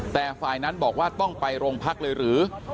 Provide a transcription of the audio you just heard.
แต่ฝ่ายนั้นบอกว่าต้องไปโรงพักเลยหรือ